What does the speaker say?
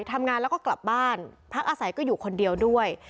ทำงานแล้วก็กลับบ้านพักอาศัยก็อยู่คนเดียวด้วย